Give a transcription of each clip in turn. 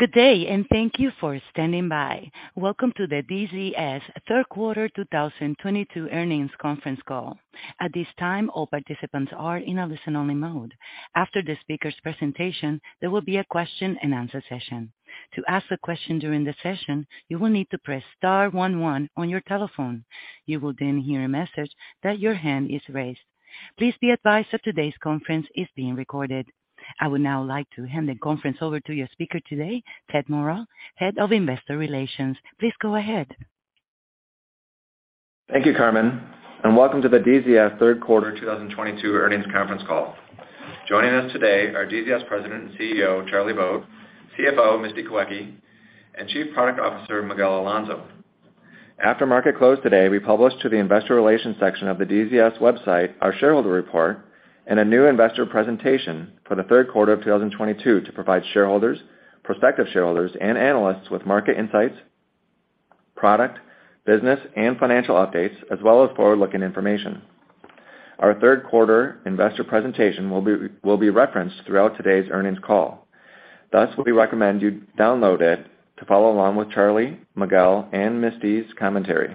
Good day and thank you for standing by. Welcome to the DZS Q3 2022 earnings conference call. At this time, all participants are in a listen-only mode. After the speaker's presentation, there will be a question-and-answer session. To ask a question during the session, you will need to press star one, one on your telephone. You will then hear a message that your hand is raised. Please be advised that today's conference is being recorded. I would now like to hand the conference over to your speaker today, Ted Moreau, Head of Investor Relations. Please go ahead. Thank you, Carmen, and welcome to the DZS Q3 2022 earnings conference call. Joining us today are DZS President and CEO, Charlie Vogt, CFO, Misty Kawecki, and Chief Product Officer, Miguel Alonso. After market close today, we published to the investor relations section of the DZS website our shareholder report and a new investor presentation for the Q3 of 2022 to provide shareholders, prospective shareholders, and analysts with market insights, product, business and financial updates, as well as forward-looking information. Our Q3 investor presentation will be referenced throughout today's earnings call. Thus, we recommend you download it to follow along with Charlie, Miguel and Misty's commentary.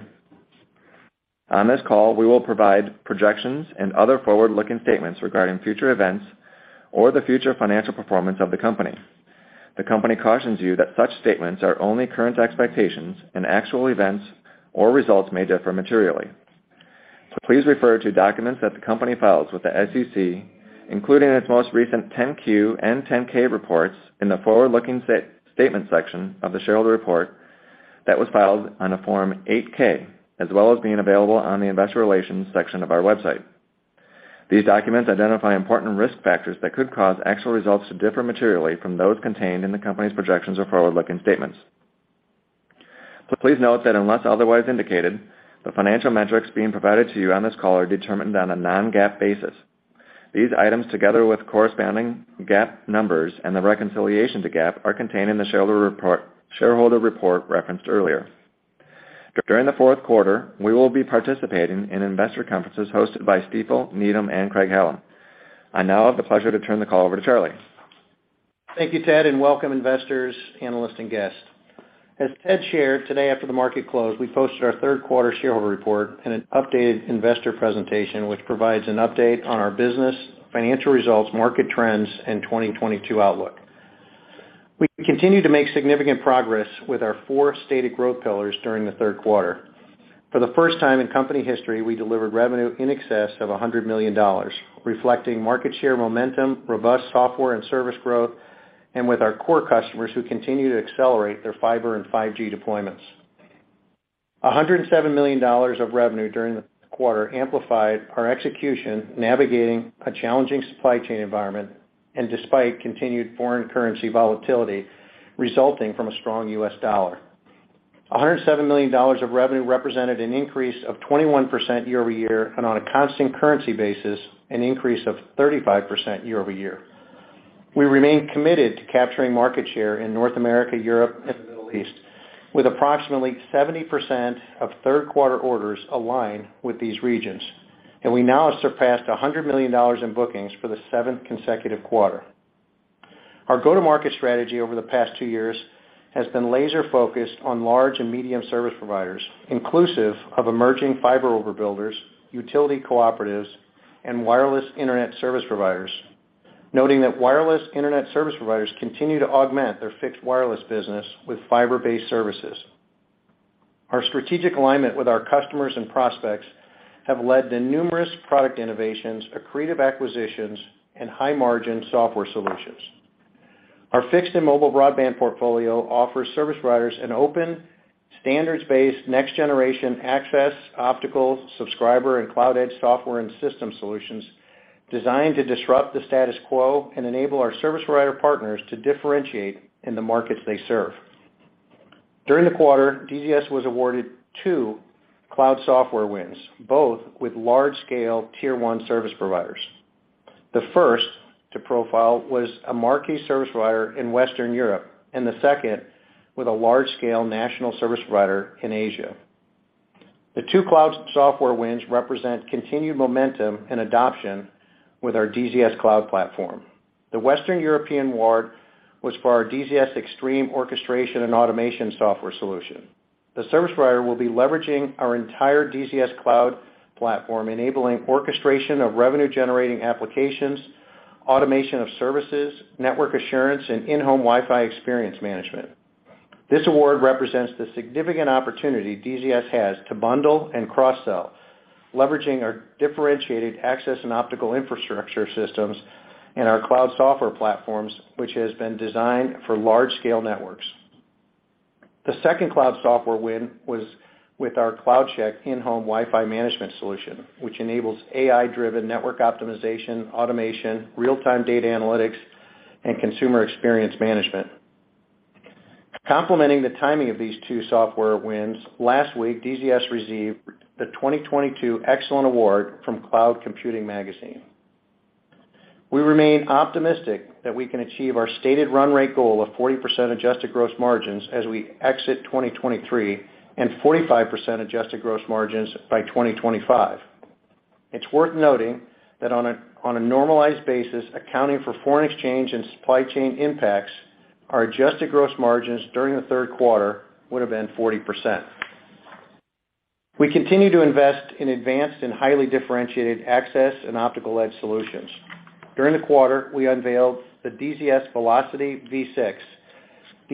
On this call we will provide projections and other forward-looking statements regarding future events or the future financial performance of the company. The company cautions you that such statements are only current expectations, and actual events or results may differ materially. Please refer to documents that the company files with the SEC, including its most recent 10-Q and 10-K reports in the forward-looking statement section of the shareholder report that was filed on a Form 8-K, as well as being available on the investor relations section of our website. These documents identify important risk factors that could cause actual results to differ materially from those contained in the company's projections or forward-looking statements. Please note that unless otherwise indicated, the financial metrics being provided to you on this call are determined on a non-GAAP basis. These items, together with corresponding GAAP numbers and the reconciliation to GAAP, are contained in the shareholder report referenced earlier. During the Q4, we will be participating in investor conferences hosted by Stifel, Needham, and Craig-Hallum. I now have the pleasure to turn the call over to Charlie. Thank you, Ted, and welcome investors, analysts, and guests. As Ted shared today, after the market closed, we posted our Q3 shareholder report and an updated investor presentation, which provides an update on our business, financial results, market trends, and 2022 outlook. We continue to make significant progress with our four stated growth pillars during the Q3. For the first time in company history, we delivered revenue in excess of $100 million, reflecting market share momentum, robust software and service growth, and with our core customers who continue to accelerate their fiber and 5G deployments. $107 million of revenue during the quarter amplified our execution, navigating a challenging supply chain environment, and despite continued foreign currency volatility resulting from a strong US dollar. $107 million of revenue represented an increase of 21% year-over-year, and on a constant currency basis, an increase of 35% year-over-year. We remain committed to capturing market share in North America, Europe, and the Middle East, with approximately 70% of Q3 orders aligned with these regions. We now have surpassed $100 million in bookings for the seventh consecutive quarter. Our go-to-market strategy over the past two years has been laser-focused on large and medium service providers, inclusive of emerging fiber overbuilders, utility cooperatives and wireless internet service providers, noting that wireless internet service providers continue to augment their fixed wireless business with fiber-based services. Our strategic alignment with our customers and prospects have led to numerous product innovations, accretive acquisitions and high-margin software solutions. Our fixed and mobile broadband portfolio offers service providers an open, standards-based, next generation access, optical, subscriber and cloud edge software and system solutions designed to disrupt the status quo and enable our service provider partners to differentiate in the markets they serve. During the quarter, DZS was awarded two cloud software wins, both with large-scale tier one service providers. The first to profile was a marquee service provider in Western Europe, and the second with a large-scale national service provider in Asia. The two cloud software wins represent continued momentum and adoption with our DZS Cloud platform. The Western European award was for our DZS Xtreme Orchestration and Automation software solution. The service provider will be leveraging our entire DZS Cloud platform, enabling orchestration of revenue-generating applications, automation of services, network assurance and in-home Wi-Fi experience management. This award represents the significant opportunity DZS has to bundle and cross-sell, leveraging our differentiated access and optical infrastructure systems and our cloud software platforms, which has been designed for large-scale networks. The second cloud software win was with our CloudCheck In-Home Wi-Fi Management solution, which enables AI-driven network optimization, automation, real-time data analytics, and consumer experience management. Complementing the timing of these two software wins, last week DZS received the 2022 Excellent Award from Cloud Computing Magazine. We remain optimistic that we can achieve our stated run rate goal of 40% adjusted gross margins as we exit 2023 and 45% adjusted gross margins by 2025. It's worth noting that on a normalized basis, accounting for foreign exchange and supply chain impacts, our adjusted gross margins during the Q3 would have been 40%. We continue to invest in advanced and highly differentiated access and optical edge solutions. During the quarter, we unveiled the DZS Velocity V6,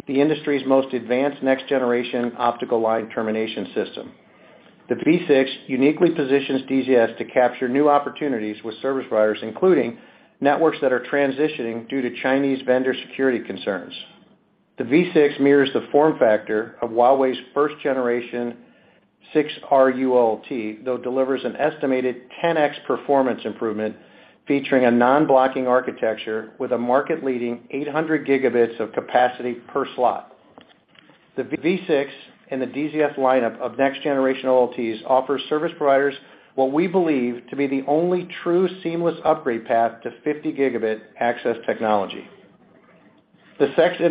the industry's most advanced next-generation optical line termination system. The V6 uniquely positions DZS to capture new opportunities with service providers, including networks that are transitioning due to Chinese vendor security concerns. The V6 mirrors the form factor of Huawei's first-generation 6RU OLT, though delivers an estimated 10x performance improvement, featuring a non-blocking architecture with a market-leading 800 gigabits of capacity per slot. The V6 and the DZS lineup of next-generation OLTs offers service providers what we believe to be the only true seamless upgrade path to 50 gigabit access technology. The second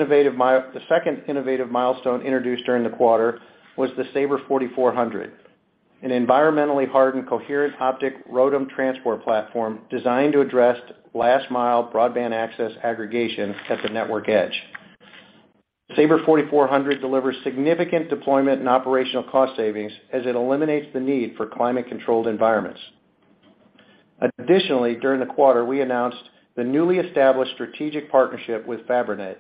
innovative milestone introduced during the quarter was the Saber 4400, an environmentally hardened, coherent optics ROADM transport platform designed to address last mile broadband access aggregation at the network edge. Saber 4400 delivers significant deployment and operational cost savings as it eliminates the need for climate-controlled environments. Additionally, during the quarter, we announced the newly established strategic partnership with Fabrinet,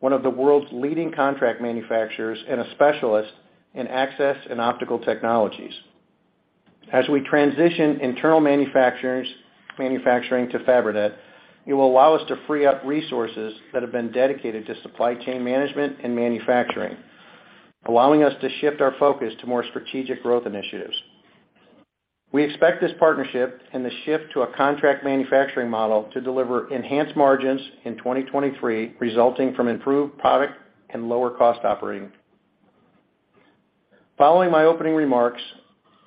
one of the world's leading contract manufacturers and a specialist in access and optical technologies. As we transition internal manufacturing to Fabrinet, it will allow us to free up resources that have been dedicated to supply chain management and manufacturing, allowing us to shift our focus to more strategic growth initiatives. We expect this partnership and the shift to a contract manufacturing model to deliver enhanced margins in 2023, resulting from improved product and lower cost operating. Following my opening remarks,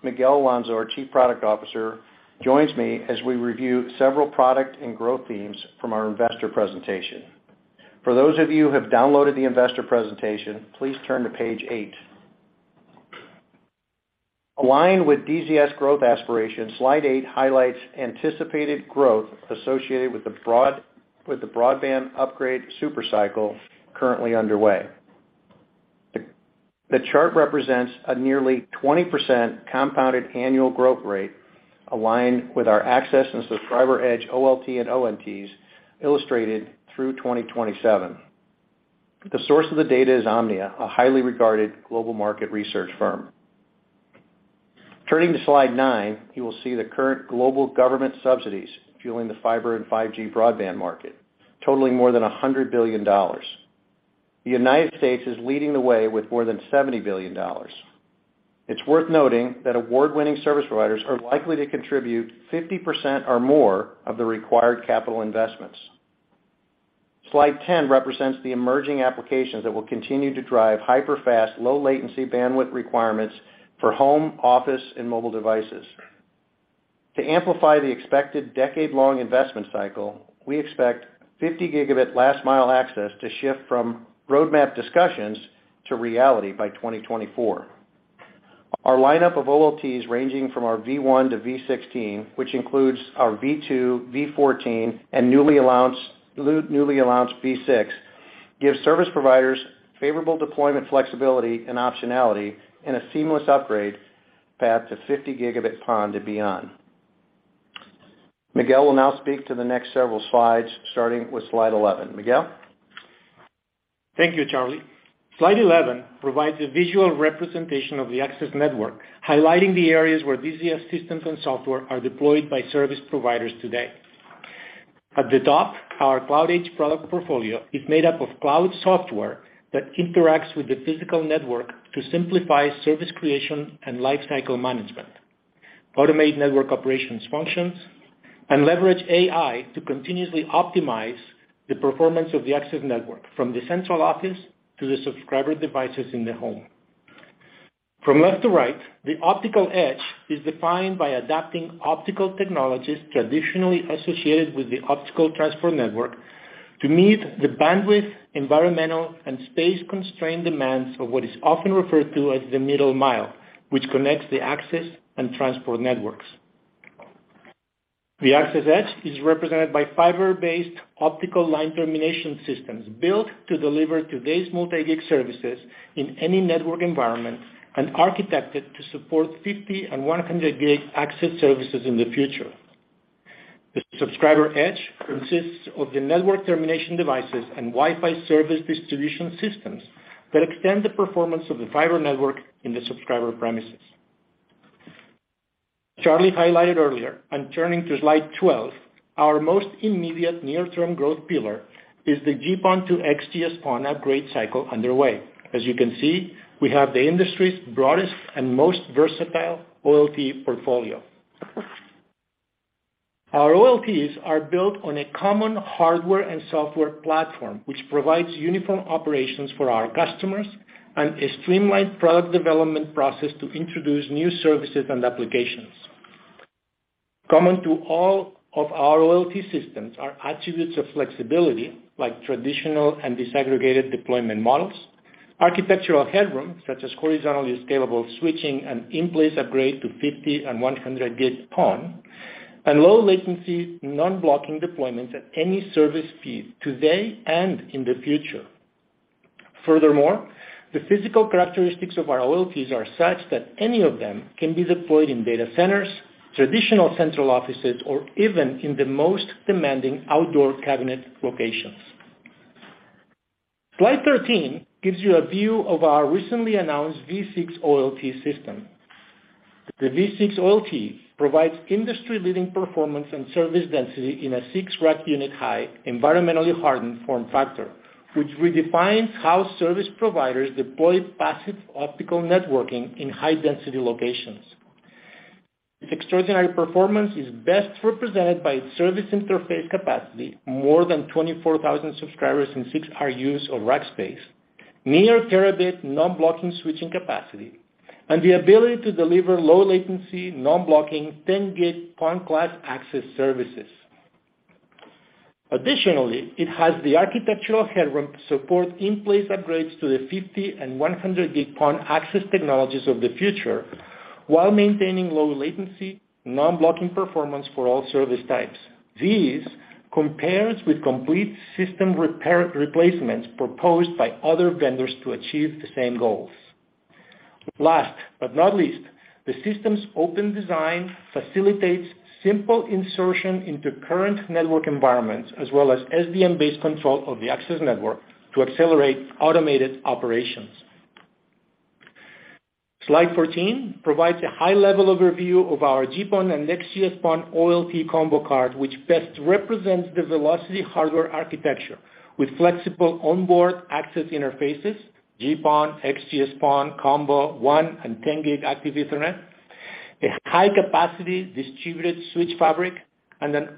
Miguel Alonso, our Chief Product Officer, joins me as we review several product and growth themes from our investor presentation. For those of you who have downloaded the investor presentation, please turn to page eight. Aligned with DZS growth aspirations, slide eight highlights anticipated growth associated with the broadband upgrade super cycle currently underway. The chart represents a nearly 20% compounded annual growth rate aligned with our access and subscriber edge OLT and ONTs illustrated through 2027. The source of the data is Omdia, a highly regarded global market research firm. Turning to slide nine, you will see the current global government subsidies fueling the fiber and 5G broadband market totaling more than $100 billion. The United States is leading the way with more than $70 billion. It's worth noting that award-winning service providers are likely to contribute 50% or more of the required capital investments. Slide 10 represents the emerging applications that will continue to drive hyper fast, low latency bandwidth requirements for home, office and mobile devices. To amplify the expected decade-long investment cycle, we expect 50 gigabit last mile access to shift from roadmap discussions to reality by 2024. Our lineup of OLTs ranging from our V1 to V16, which includes our V2, V14, and newly announced V6, gives service providers favorable deployment flexibility and optionality in a seamless upgrade path to 50 gigabit PON to beyond. Miguel will now speak to the next several slides, starting with slide 11. Miguel. Thank you, Charlie. Slide 11 provides a visual representation of the access network, highlighting the areas where DZS systems and software are deployed by service providers today. At the top, our Cloud Edge product portfolio is made up of cloud software that interacts with the physical network to simplify service creation and lifecycle management, automate network operations functions, and leverage AI to continuously optimize the performance of the access network from the central office to the subscriber devices in the home. From left to right, the optical edge is defined by adapting optical technologies traditionally associated with the optical transport network to meet the bandwidth, environmental, and space constraint demands of what is often referred to as the middle mile, which connects the access and transport networks. The access edge is represented by fiber-based optical line terminal systems built to deliver today's multi-gig services in any network environment and architected to support 50 and 100 gig access services in the future. The subscriber edge consists of the network termination devices and Wi-Fi service distribution systems that extend the performance of the fiber network in the subscriber premises. Charlie highlighted earlier. Turning to slide 12, our most immediate near-term growth pillar is the GPON to XGS-PON upgrade cycle underway. As you can see, we have the industry's broadest and most versatile OLT portfolio. Our OLTs are built on a common hardware and software platform, which provides uniform operations for our customers and a streamlined product development process to introduce new services and applications. Common to all of our OLT systems are attributes of flexibility, like traditional and disaggregated deployment models. Architectural headroom, such as horizontally scalable switching and in-place upgrade to 50 and 100 gig PON, and low latency non-blocking deployments at any service speed today and in the future. Furthermore, the physical characteristics of our OLTs are such that any of them can be deployed in data centers, traditional central offices, or even in the most demanding outdoor cabinet locations. Slide 13 gives you a view of our recently announced V6 OLT system. The V6 OLT provides industry-leading performance and service density in a six-rank unit high, environmentally hardened form factor, which redefines how service providers deploy passive optical networking in high-density locations. Its extraordinary performance is best represented by its service interface capacity, more than 24,000 subscribers in 6 RUs or rack space, near terabit non-blocking switching capacity, and the ability to deliver low latency non-blocking 10 gig PON-class access services. Additionally, it has the architectural headroom to support in-place upgrades to the 50 and 100 gig PON access technologies of the future while maintaining low latency non-blocking performance for all service types. This compares with complete system repair replacements proposed by other vendors to achieve the same goals. Last but not least, the system's open design facilitates simple insertion into current network environments as well as SDN-based control of the access network to accelerate automated operations. Slide 14 provides a high-level overview of our GPON and XGS-PON OLT combo card, which best represents the Velocity hardware architecture with flexible onboard access interfaces, GPON, XGS-PON, combo, one and 10 gig active Ethernet, a high-capacity distributed switch fabric, and an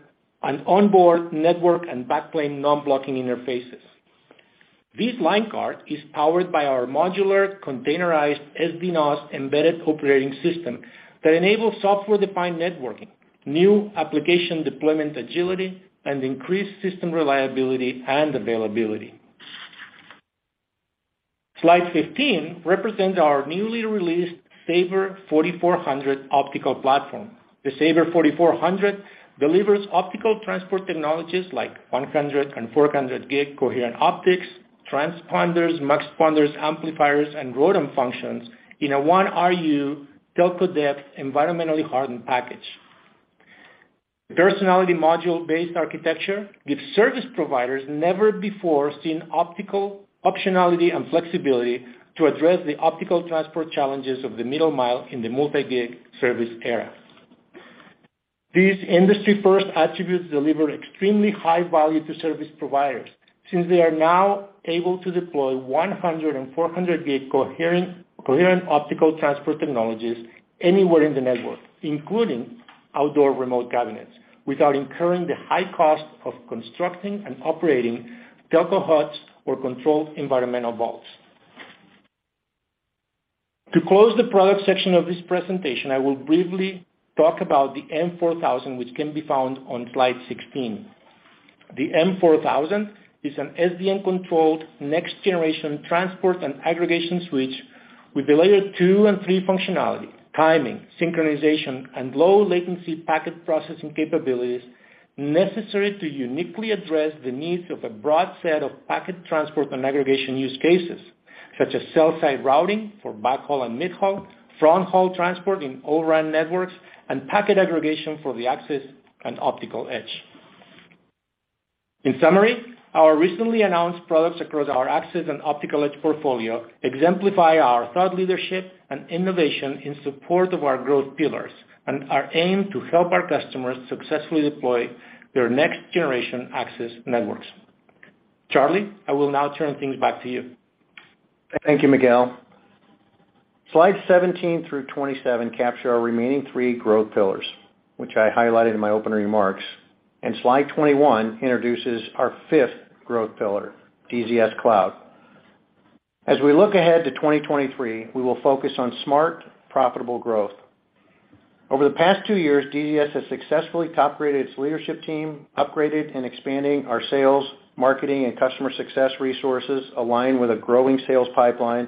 onboard network and backplane non-blocking interfaces. This line card is powered by our modular containerized SD-NOS embedded operating system that enables software-defined networking, new application deployment agility, and increased system reliability and availability. Slide 15 represents our newly released Saber 4400 optical platform. The Saber 4400 delivers optical transport technologies like 100 and 400 gig coherent optics, transponders, muxponders, amplifiers, and ROADM functions in a 1 RU telco depth environmentally hardened package. The personality module-based architecture gives service providers never before seen optical optionality and flexibility to address the optical transport challenges of the middle mile in the multi-gig service era. These industry-first attributes deliver extremely high value to service providers since they are now able to deploy 100- and 400-gig coherent optical transport technologies anywhere in the network, including outdoor remote cabinets, without incurring the high cost of constructing and operating telco huts or controlled environmental vaults. To close the product section of this presentation, I will briefly talk about the M4000, which can be found on slide 16. The M4000 is an SDN-controlled next-generation transport and aggregation switch with the Layer two and three functionality, timing, synchronization, and low-latency packet processing capabilities necessary to uniquely address the needs of a broad set of packet transport and aggregation use cases, such as cell site routing for backhaul and midhaul, fronthaul transport in O-RAN networks, and packet aggregation for the access and optical edge. In summary, our recently announced products across our access and optical edge portfolio exemplify our thought leadership and innovation in support of our growth pillars and our aim to help our customers successfully deploy their next generation access networks. Charlie, I will now turn things back to you. Thank you, Miguel. Slides 17 through 27 capture our remaining three growth pillars, which I highlighted in my opening remarks. Slide 21 introduces our fifth growth pillar, DZS Cloud. As we look ahead to 2023, we will focus on smart, profitable growth. Over the past two years, DZS has successfully top-graded its leadership team, upgraded and expanding our sales, marketing, and customer success resources aligned with a growing sales pipeline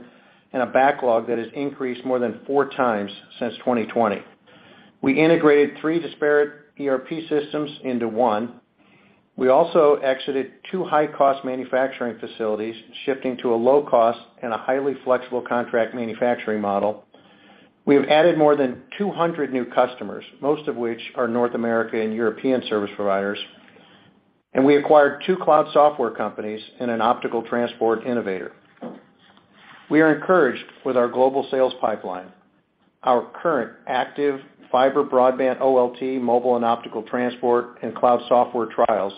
and a backlog that has increased more than four times since 2020. We integrated three disparate ERP systems into one. We also exited two high-cost manufacturing facilities, shifting to a low-cost and a highly flexible contract manufacturing model. We have added more than 200 new customers, most of which are North American and European service providers. We acquired two cloud software companies and an optical transport innovator. We are encouraged with our global sales pipeline, our current active fiber broadband OLT, mobile and optical transport and cloud software trials,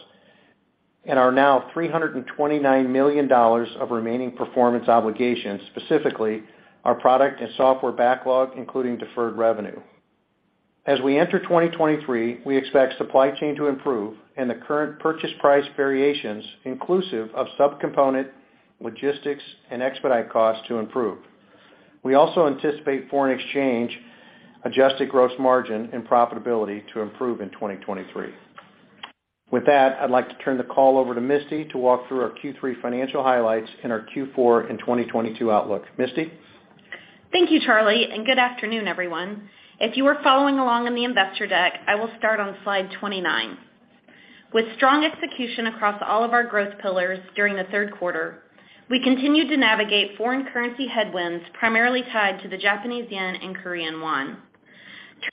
and our now $329 million of remaining performance obligations, specifically our product and software backlog, including deferred revenue. As we enter 2023, we expect supply chain to improve and the current purchase price variations, inclusive of subcomponent, logistics, and expedite costs to improve. We also anticipate foreign exchange, adjusted gross margin, and profitability to improve in 2023. With that, I'd like to turn the call over to Misty to walk through our Q3 financial highlights and our Q4 and 2022 outlook. Misty. Thank you, Charlie, and good afternoon, everyone. If you are following along in the investor deck, I will start on slide 29. With strong execution across all of our growth pillars during the Q3, we continued to navigate foreign currency headwinds primarily tied to the Japanese yen and Korean won.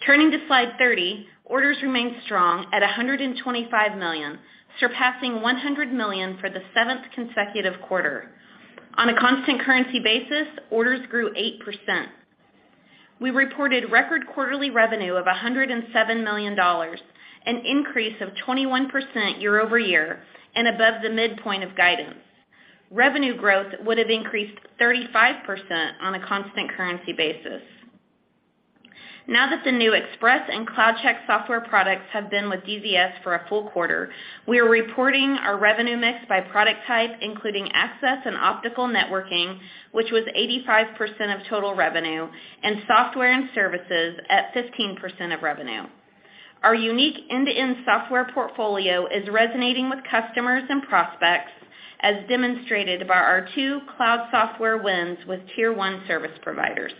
Turning to slide 30, orders remained strong at $125 million, surpassing $100 million for the seventh consecutive quarter. On a constant currency basis, orders grew 8%. We reported record quarterly revenue of $107 million, an increase of 21% year over year and above the midpoint of guidance. Revenue growth would have increased 35% on a constant currency basis. Now that the new Expresse and CloudCheck software products have been with DZS for a full quarter, we are reporting our revenue mix by product type, including access and optical networking, which was 85% of total revenue, and software and services at 15% of revenue. Our unique end-to-end software portfolio is resonating with customers and prospects, as demonstrated by our two cloud software wins with tier one service providers.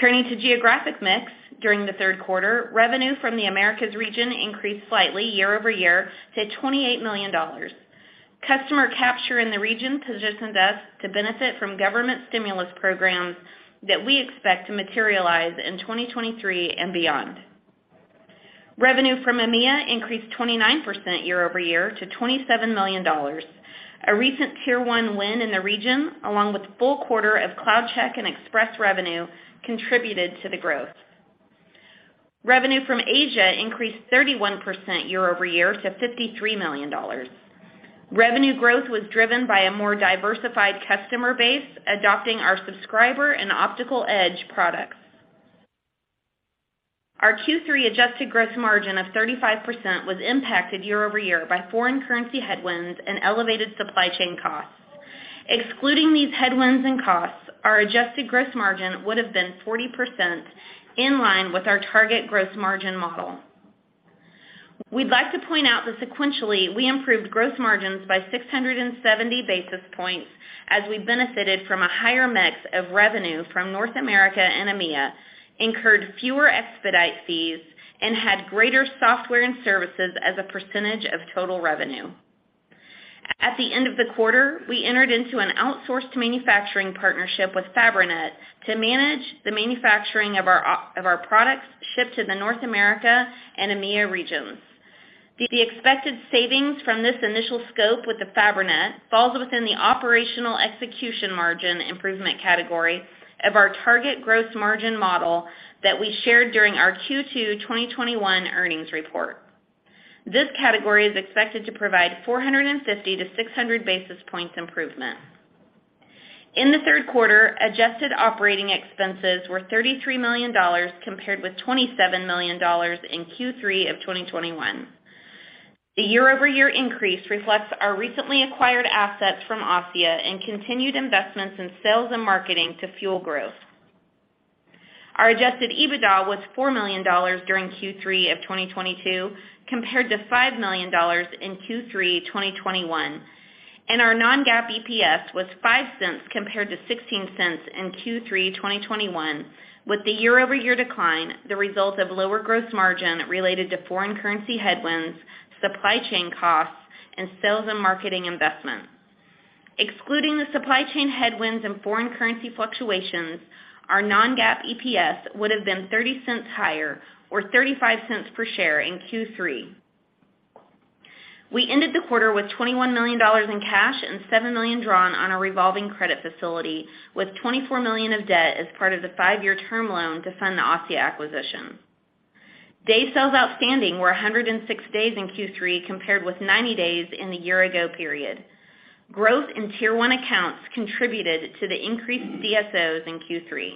Turning to geographic mix during the Q3, revenue from the Americas region increased slightly year-over-year to $28 million. Customer capture in the region positions us to benefit from government stimulus programs that we expect to materialize in 2023 and beyond. Revenue from EMEA increased 29% year-over-year to $27 million. A recent tier one win in the region, along with full quarter of CloudCheck and Expresse revenue, contributed to the growth. Revenue from Asia increased 31% year over year to $53 million. Revenue growth was driven by a more diversified customer base adopting our subscriber and optical edge products. Our Q3 adjusted gross margin of 35% was impacted year over year by foreign currency headwinds and elevated supply chain costs. Excluding these headwinds and costs, our adjusted gross margin would have been 40% in line with our target gross margin model. We'd like to point out that sequentially, we improved gross margins by 670 basis points as we benefited from a higher mix of revenue from North America and EMEA, incurred fewer expedite fees, and had greater software and services as a percentage of total revenue. At the end of the quarter, we entered into an outsourced manufacturing partnership with Fabrinet to manage the manufacturing of our products shipped to the North America and EMEA regions. The expected savings from this initial scope with the Fabrinet falls within the operational execution margin improvement category of our target gross margin model that we shared during our Q2 2021 earnings report. This category is expected to provide 450-600 basis points improvement. In the Q3, adjusted operating expenses were $33 million compared with $27 million in Q3 of 2021. The year-over-year increase reflects our recently acquired assets from ASSIA and continued investments in sales and marketing to fuel growth. Our adjusted EBITDA was $4 million during Q3 of 2022, compared to $5 million in Q3 2021, and our non-GAAP EPS was $0.05 compared to $0.16 in Q3 2021, with the year-over-year decline the result of lower gross margin related to foreign currency headwinds, supply chain costs, and sales and marketing investments. Excluding the supply chain headwinds and foreign currency fluctuations, our non-GAAP EPS would have been $0.30 higher or $0.35 per share in Q3. We ended the quarter with $21 million in cash and $7 million drawn on a revolving credit facility with $24 million of debt as part of the five-year term loan to fund the ASSIA acquisition. Days sales outstanding were 106 days in Q3 compared with 90 days in the year ago period. Growth in tier one accounts contributed to the increased DSOs in Q3.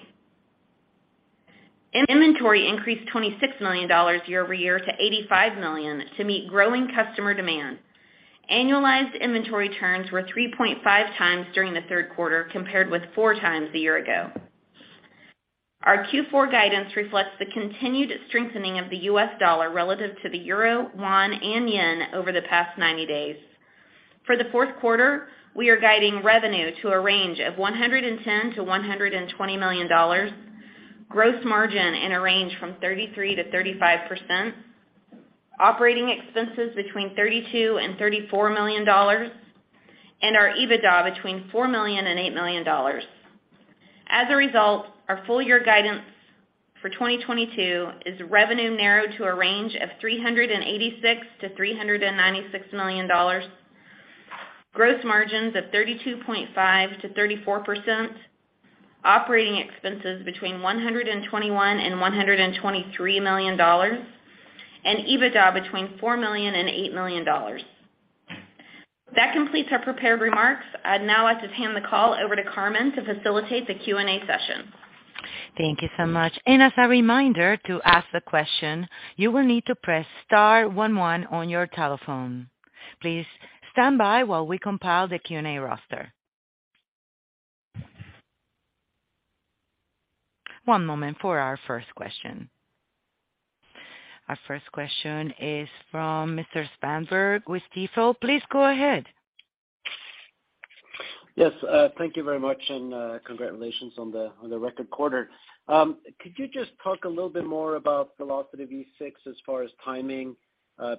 Inventory increased $26 million year-over-year to $85 million to meet growing customer demand. Annualized inventory turns were 3.5 times during the Q3 compared with four times a year ago. Our Q4 guidance reflects the continued strengthening of the US dollar relative to the euro, won, and yen over the past 90 days. For the Q4, we are guiding revenue to a range of $110-$120 million, gross margin in a range from 33%-35%, operating expenses between $32 million and $34 million, and our EBITDA between $4 million and $8 million. As a result, our full year guidance for 2022 is revenue narrowed to a range of $386 -$396 million, gross margins of 32.5%-34%, operating expenses between $121 million and $123 million, and EBITDA between $4 million and $8 million. That completes our prepared remarks. I'd now like to hand the call over to Carmen to facilitate the Q&A session. Thank you so much. As a reminder, to ask the question, you will need to press star one one on your telephone. Please stand by while we compile the Q&A roster. One moment for our first question. Our first question is from Simon Leopold with Stifel. Please go ahead. Yes, thank you very much, and congratulations on the record quarter. Could you just talk a little bit more about Velocity V6 as far as timing,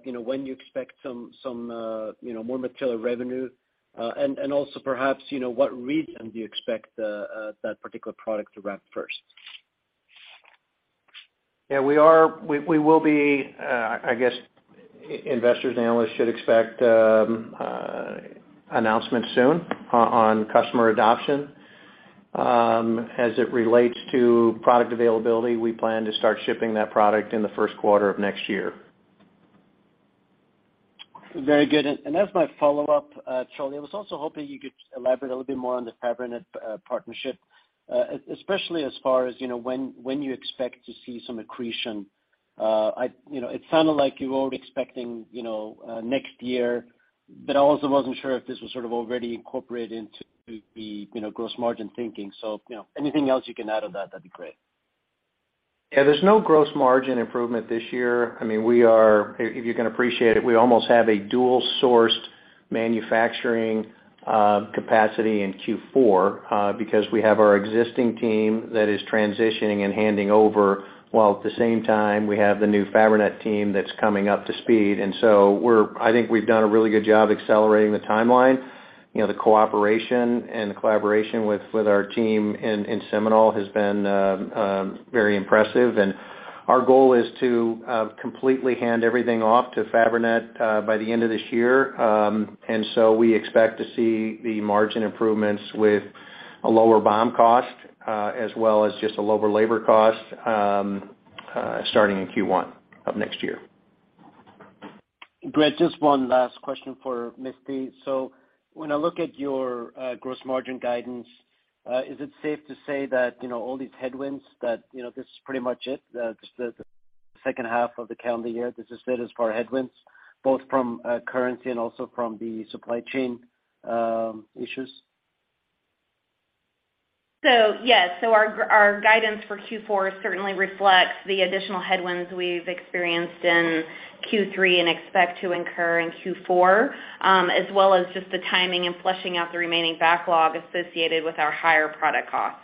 you know, when you expect some more material revenue, and also perhaps, you know, what region do you expect that particular product to ramp first? We will be, I guess investors, analysts should expect announcement soon on customer adoption. As it relates to product availability, we plan to start shipping that product in the Q1 of next year. Very good. As my follow-up, Charlie, I was also hoping you could elaborate a little bit more on the Fabrinet partnership, especially as far as, you know, when you expect to see some accretion. You know, it sounded like you were expecting, you know, next year, but I also wasn't sure if this was sort of already incorporated into the, you know, gross margin thinking. You know, anything else you can add on that'd be great. Yeah, there's no gross margin improvement this year. I mean, if you can appreciate it, we almost have a dual sourced manufacturing capacity in Q4, because we have our existing team that is transitioning and handing over, while at the same time we have the new Fabrinet team that's coming up to speed. I think we've done a really good job accelerating the timeline. You know, the cooperation and collaboration with our team in Seminole has been very impressive, and our goal is to completely hand everything off to Fabrinet by the end of this year. We expect to see the margin improvements with a lower BOM cost, as well as just a lower labor cost, starting in Q1 of next year. Great. Just one last question for Misty. When I look at your gross margin guidance, is it safe to say that, you know, all these headwinds that, you know, this is pretty much it, just the second half of the calendar year, this is it as far as headwinds, both from currency and also from the supply chain issues? Our guidance for Q4 certainly reflects the additional headwinds we've experienced in Q3 and expect to incur in Q4, as well as just the timing and flushing out the remaining backlog associated with our higher product costs.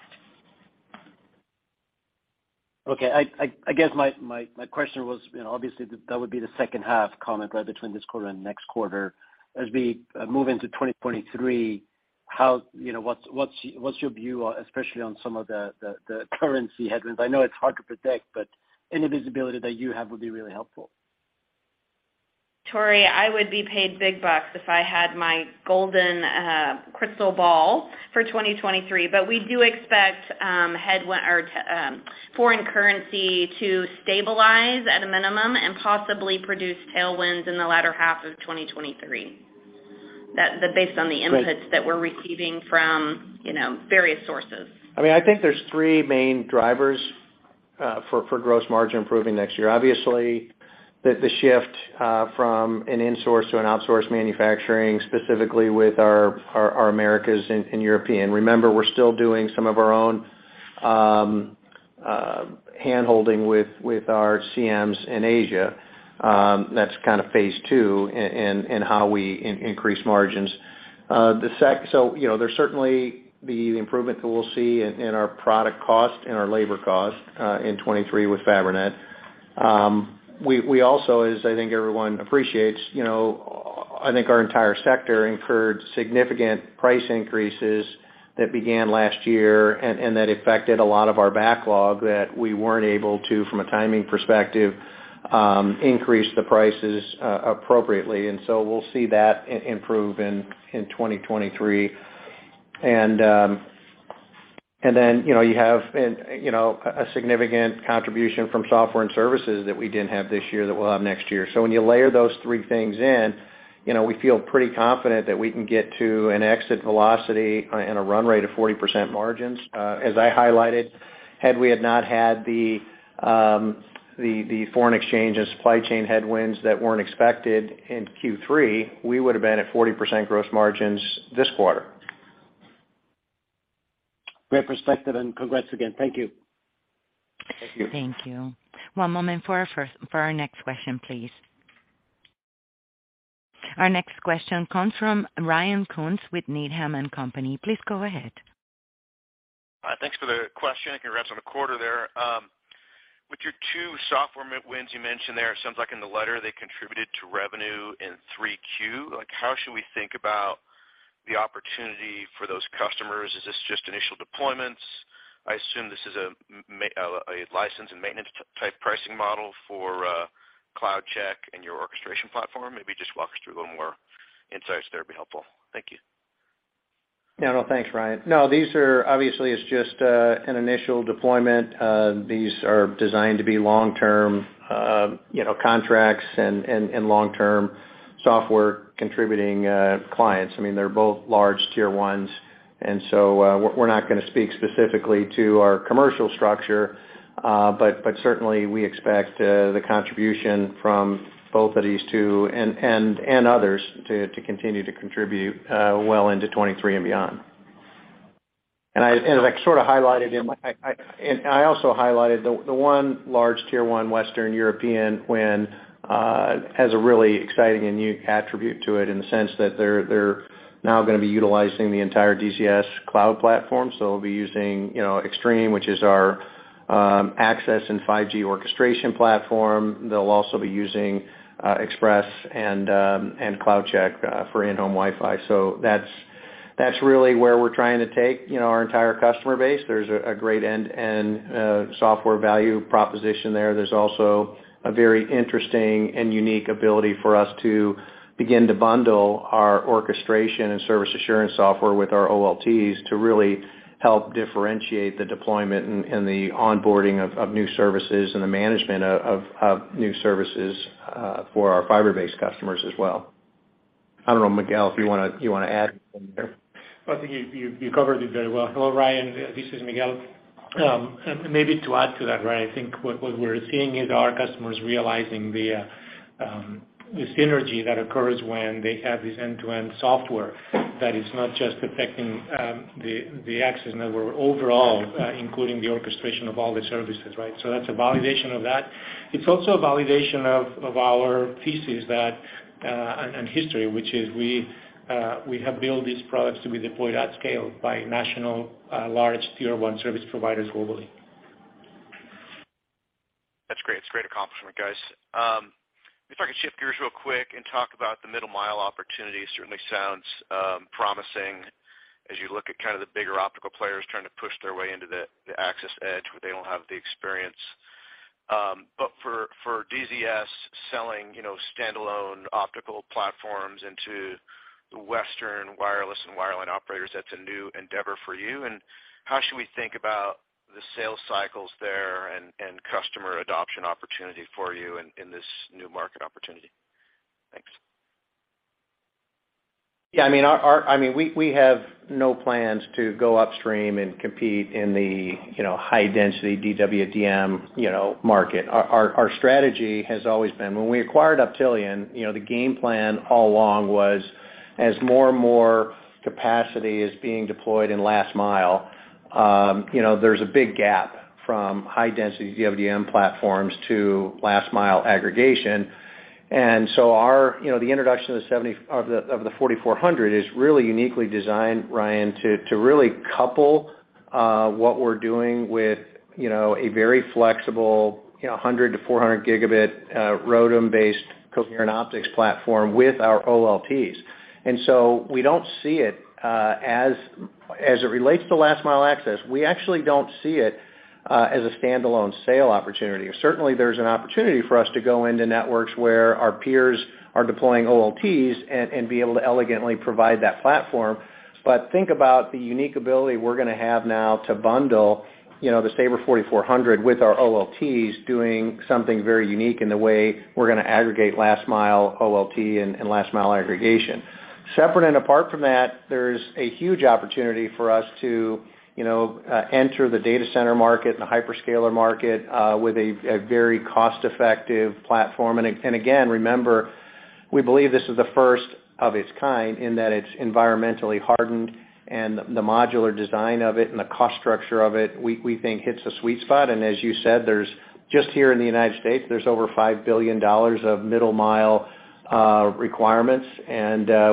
Okay. I guess my question was, you know, obviously that would be the second half comment, right? Between this quarter and next quarter. As we move into 2023, you know, what's your view, especially on some of the currency headwinds? I know it's hard to predict, but any visibility that you have would be really helpful. Tori, I would be paid big bucks if I had my golden crystal ball for 2023. We do expect headwinds or foreign currency to stabilize at a minimum and possibly produce tailwinds in the latter half of 2023. That based on the inputs that we're receiving from, you know, various sources. I mean, I think there's three main drivers for gross margin improving next year. Obviously, the shift from an insource to an outsource manufacturing, specifically with our Americas and European. Remember, we're still doing some of our own hand-holding with our CMs in Asia. That's kind of phase two in how we increase margins. You know, there's certainly the improvement that we'll see in our product cost and our labor cost in 2023 with Fabrinet. We also, as I think everyone appreciates, you know, I think our entire sector incurred significant price increases that began last year and that affected a lot of our backlog that we weren't able to, from a timing perspective, increase the prices appropriately. We'll see that improve in 2023. You know, you have a significant contribution from software and services that we didn't have this year that we'll have next year. When you layer those three things in, you know, we feel pretty confident that we can get to an exit velocity and a run rate of 40% margins. As I highlighted, had we not had the foreign exchange and supply chain headwinds that weren't expected in Q3, we would have been at 40% gross margins this quarter. Great perspective and congrats again. Thank you. Thank you. Thank you. One moment for our next question, please. Our next question comes from Ryan Koontz with Needham & Company. Please go ahead. Thanks for the question. Congrats on the quarter there. With your two software wins you mentioned there, it sounds like in the letter they contributed to revenue in Q3. Like, how should we think about the opportunity for those customers? Is this just initial deployments? I assume this is a license and maintenance type pricing model for CloudCheck and your orchestration platform. Maybe just walk us through a little more insights there would be helpful. Thank you. Yeah. No, thanks, Ryan. No, these are obviously, it's just, an initial deployment. These are designed to be long-term, you know, contracts and long-term software contributing clients. I mean, they're both large tier ones, and so, we're not gonna speak specifically to our commercial structure. But certainly we expect the contribution from both of these two and others to continue to contribute well into 2023 and beyond. I also highlighted the one large tier one Western European win has a really exciting and unique attribute to it in the sense that they're now gonna be utilizing the entire DZS Cloud platform. They'll be using, you know, Xtreme, which is our access and 5G orchestration platform. They'll also be using Expresse and CloudCheck for in-home Wi-Fi. That's really where we're trying to take, you know, our entire customer base. There's a great end-to-end software value proposition there. There's also a very interesting and unique ability for us to begin to bundle our orchestration and service assurance software with our OLTs to really help differentiate the deployment and the onboarding of new services and the management of new services for our fiber-based customers as well. I don't know, Miguel, if you wanna add anything there. I think you covered it very well. Hello, Ryan. This is Miguel. Maybe to add to that, Ryan, I think what we're seeing is our customers realizing the synergy that occurs when they have this end-to-end software that is not just affecting the access network overall, including the orchestration of all the services, right? That's a validation of that. It's also a validation of our thesis that and history, which is we have built these products to be deployed at scale by national large tier one service providers globally. That's great. It's a great accomplishment, guys. If I could shift gears real quick and talk about the middle mile opportunity. Certainly sounds promising as you look at kind of the bigger optical players trying to push their way into the access edge where they don't have the experience. But for DZS selling, you know, standalone optical platforms into the Western wireless and wireline operators, that's a new endeavor for you. How should we think about the sales cycles there and customer adoption opportunity for you in this new market opportunity? Thanks. Yeah, I mean, we have no plans to go upstream and compete in the, you know, high density DWDM, you know, market. Our strategy has always been when we acquired Optelian, you know, the game plan all along was as more and more capacity is being deployed in last mile, you know, there's a big gap from high density DWDM platforms to last mile aggregation. Our, you know, the introduction of the Saber 4400 is really uniquely designed, Ryan, to really couple what we're doing with, you know, a very flexible, you know, 100 to 400 gigabit, ROADM-based coherent optics platform with our OLTs. We don't see it, as it relates to last mile access, we actually don't see it, as a standalone sale opportunity. Certainly, there's an opportunity for us to go into networks where our peers are deploying OLTs and be able to elegantly provide that platform. Think about the unique ability we're gonna have now to bundle, you know, the Saber 4400 with our OLTs doing something very unique in the way we're gonna aggregate last mile OLT and last mile aggregation. Separate and apart from that, there's a huge opportunity for us to, you know, enter the data center market and the hyperscaler market with a very cost-effective platform. Again, remember, we believe this is the first of its kind in that it's environmentally hardened and the modular design of it and the cost structure of it, we think hits the sweet spot. As you said, there's just here in the United States, there's over $5 billion of middle mile requirements.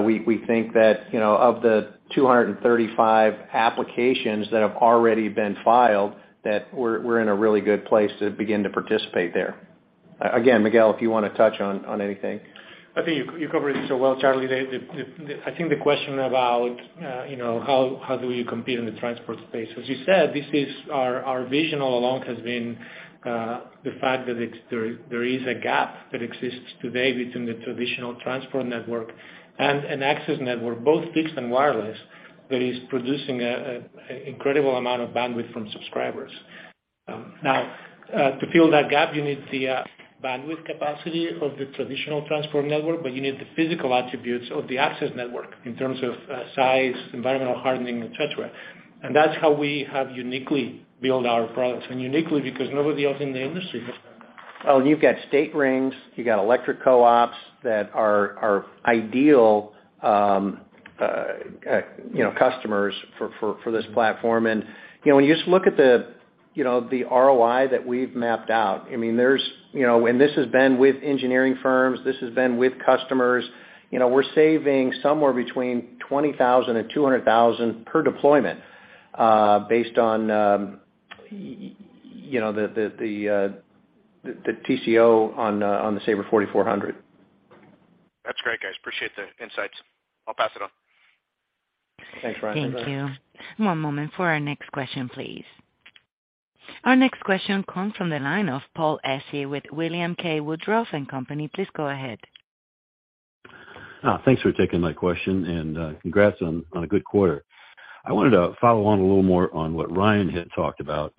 We think that, you know, of the 235 applications that have already been filed, that we're in a really good place to begin to participate there. Again, Miguel, if you wanna touch on anything. I think you covered it so well, Charlie. I think the question about how do you compete in the transport space? As you said, this is our vision all along has been the fact that there is a gap that exists today between the traditional transport network and an access network, both fixed and wireless, that is producing an incredible amount of bandwidth from subscribers. Now, to fill that gap, you need the bandwidth capacity of the traditional transport network, but you need the physical attributes of the access network in terms of size, environmental hardening, et cetera. That's how we have uniquely built our products. Uniquely because nobody else in the industry has done that. Oh, you've got state rings, you've got electric co-ops that are ideal, you know, customers for this platform. You know, when you just look at the, you know, the ROI that we've mapped out, I mean, there's, you know, and this has been with engineering firms, this has been with customers. You know, we're saving somewhere between $20,000-$200,000 per deployment, based on you know, the TCO on the Saber 4400. That's great, guys. Appreciate the insights. I'll pass it on. Thanks, Ryan. Thank you. One moment for our next question, please. Our next question comes from the line of Paul Silverstein with Cowen and Company. Please go ahead. Thanks for taking my question, and congrats on a good quarter. I wanted to follow on a little more on what Ryan had talked about.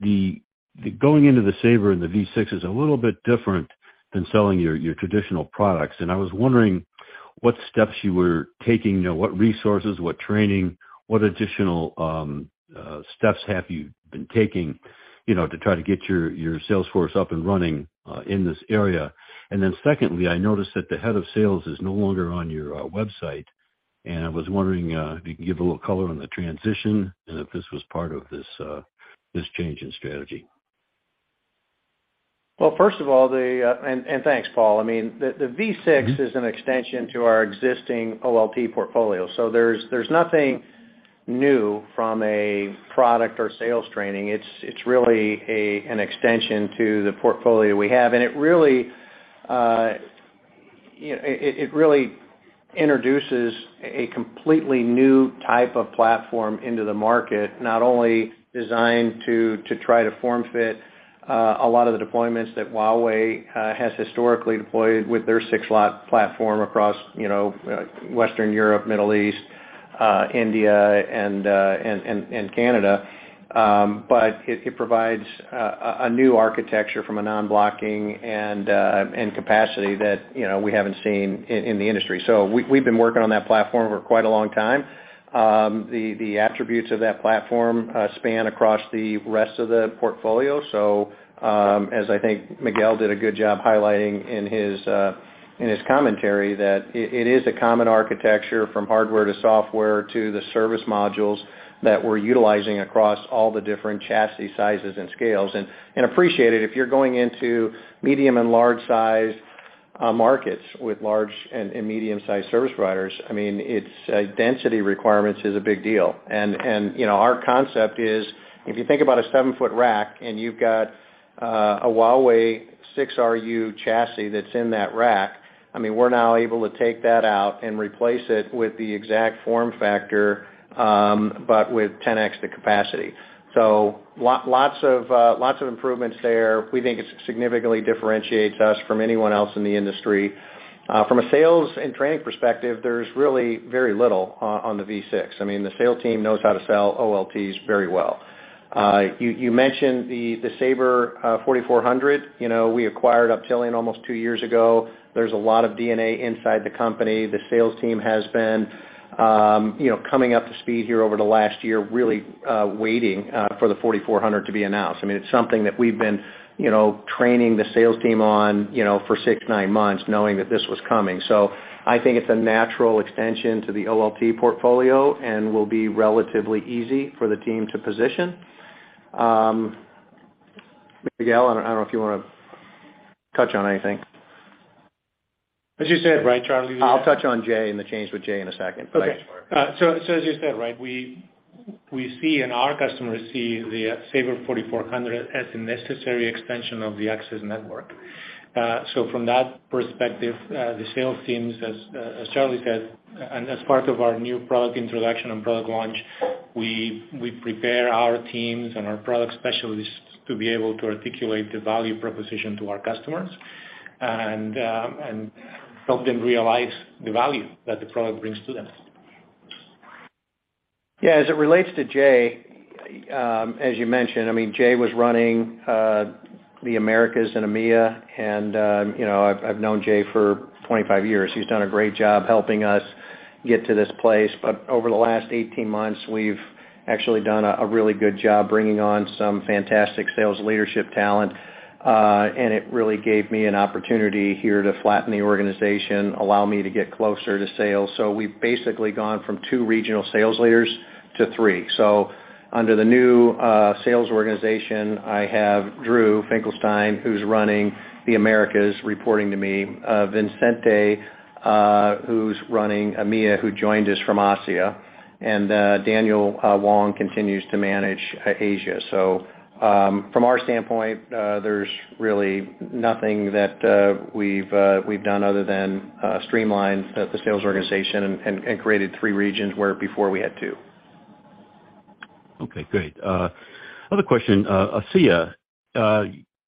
The going into the Saber and the V6 is a little bit different than selling your traditional products. I was wondering what steps you were taking, you know, what resources, what training, what additional steps have you been taking, you know, to try to get your sales force up and running in this area? Secondly, I noticed that the head of sales is no longer on your website. I was wondering if you could give a little color on the transition and if this was part of this change in strategy. Well, first of all, thanks, Paul. I mean, the V6 is an extension to our existing OLT portfolio. So there's nothing new from a product or sales training. It's really an extension to the portfolio we have. It really introduces a completely new type of platform into the market, not only designed to try to form-fit a lot of the deployments that Huawei has historically deployed with their six-slot platform across, you know, Western Europe, Middle East, India, and Canada. But it provides a new architecture from a non-blocking and capacity that, you know, we haven't seen in the industry. So we've been working on that platform for quite a long time. The attributes of that platform span across the rest of the portfolio. As I think Miguel did a good job highlighting in his commentary that it is a common architecture from hardware to software to the service modules that we're utilizing across all the different chassis sizes and scales. I appreciate it if you're going into medium and large-sized markets with large and medium-sized service providers, I mean, it's density requirements is a big deal. You know, our concept is, if you think about a seven-foot rack, and you've got a Huawei 6 RU chassis that's in that rack, I mean, we're now able to take that out and replace it with the exact form factor, but with 10 extra capacity. Lots of improvements there. We think it significantly differentiates us from anyone else in the industry. From a sales and training perspective, there's really very little on the V6. I mean, the sales team knows how to sell OLTs very well. You mentioned the Saber 4400. You know, we acquired Optelian almost two years ago. There's a lot of DNA inside the company. The sales team has been you know coming up to speed here over the last year really waiting for the 4400 to be announced. I mean, it's something that we've been you know training the sales team on you know for six to nine months knowing that this was coming. I think it's a natural extension to the OLT portfolio and will be relatively easy for the team to position. Miguel, I don't know if you wanna touch on anything. As you said, right, Charlie. I'll touch on Jay and the change with Jay in a second. Okay. As you said, right, we see and our customers see the Saber 4400 as the necessary extension of the access network. From that perspective, the sales teams, as Charlie said, and as part of our new product introduction and product launch, we prepare our teams and our product specialists to be able to articulate the value proposition to our customers and help them realize the value that the product brings to them. Yeah, as it relates to Jay, as you mentioned, I mean, Jay was running the Americas and EMEA and, you know, I've known Jay for 25 years. He's done a great job helping us get to this place. Over the last 18 months, we've actually done a really good job bringing on some fantastic sales leadership talent. It really gave me an opportunity here to flatten the organization, allow me to get closer to sales. We've basically gone from two regional sales leaders to three. Under the new sales organization, I have Andrew Finkelstein, who's running the Americas, reporting to me. Vicente, who's running EMEA, who joined us from ASSIA. Daniel Won continues to manage Asia. From our standpoint, there's really nothing that we've done other than streamline the sales organization and created three regions where before we had two. Okay, great. Another question, ASSIA,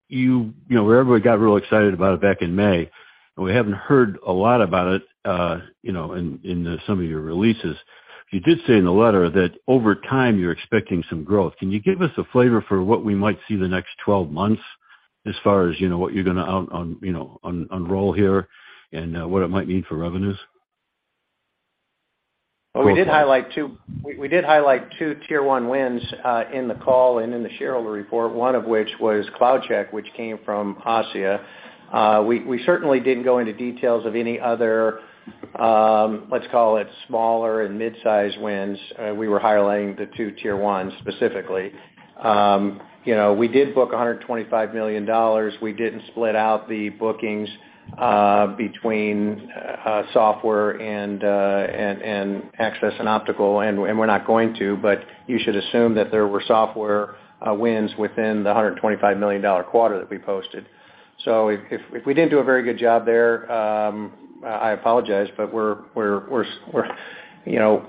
you know, where everybody got real excited about it back in May, and we haven't heard a lot about it, you know, in some of your releases. You did say in the letter that over time you're expecting some growth. Can you give us a flavor for what we might see the next 12 months as far as, you know, what you're gonna roll out here and what it might mean for revenues? Well, we did highlight two Tier 1 wins in the call and in the shareholder report, one of which was CloudCheck, which came from ASSIA. We certainly didn't go into details of any other, let's call it smaller and mid-size wins. We were highlighting the two Tier 1s specifically. You know, we did book $125 million. We didn't split out the bookings between software and access and optical, and we're not going to, but you should assume that there were software wins within the $125 million dollar quarter that we posted. If we didn't do a very good job there, I apologize, but we're you know